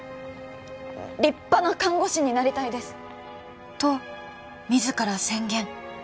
立派な看護師になりたいですと自ら宣言